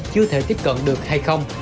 chưa thể tiếp cận được hay không